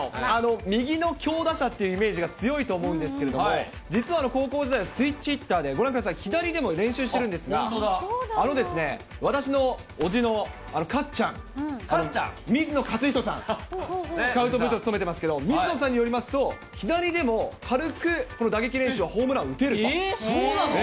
右の強打者っていうイメージが強いと思うんですけれども、実は高校時代、スイッチヒッターで、ご覧ください、左でも練習してるんですが、あのですね、私のおじのかっちゃん、水野かつひとさん、スカウト部長務めてますけども、水野さんによりますと、左でも軽く打撃練習はホームラン打てると。